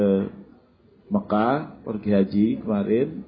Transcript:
kemudian saya ke mekah pergi haji kemarin